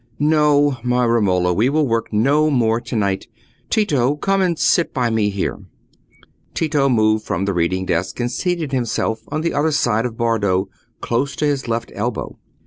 "No, my Romola, we will work no more to night. Tito, come and sit by me here." Tito moved from the reading desk, and seated himself on the other side of Bardo, close to his left elbow.